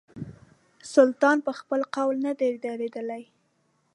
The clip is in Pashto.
سلطان پر خپل قول نه دی درېدلی.